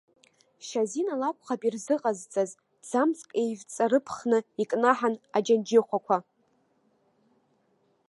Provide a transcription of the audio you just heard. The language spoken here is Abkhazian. Шьазина лакәхап ирзыҟазҵаз, ҭӡамцк еивҵарыԥхны икнаҳан аџьанџьыхәақәа.